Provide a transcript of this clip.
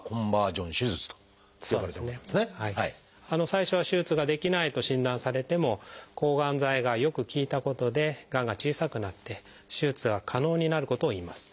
最初は手術ができないと診断されても抗がん剤がよく効いたことでがんが小さくなって手術が可能になることをいいます。